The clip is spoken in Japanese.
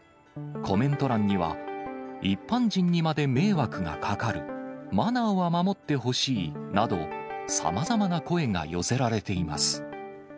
コメント欄には、一般人にまで迷惑がかかる、マナーは守ってほしいなど、さまざまな声が寄せられています。